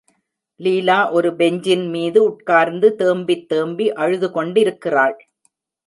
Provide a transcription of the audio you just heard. லீலா ஒரு பெஞ்சின் மீது உட்கார்ந்து தேம்பித் தேம்பி அழுதுகொண்டிருக்கிறாள்.